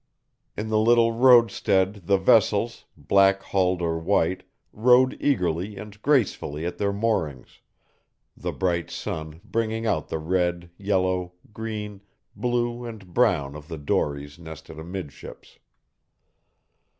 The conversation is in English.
In the little roadstead the vessels, black hulled or white, rode eagerly and gracefully at their moorings, the bright sun bringing out the red, yellow, green, blue, and brown of the dories nested amidships.